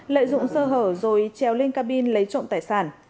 lợi dụng sơ hở rồi treo lên cabin lấy trộm tài sản